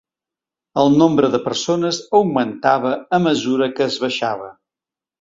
El nombre de persones augmentava a mesura que es baixava.